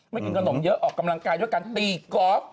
กินขนมเยอะออกกำลังกายด้วยการตีกอล์ฟ